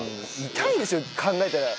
痛いですよ考えたら。